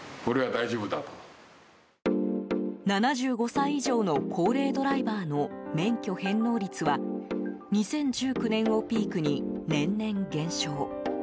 ７５歳以上の高齢ドライバーの免許返納率は２０１９年をピークに年々減少。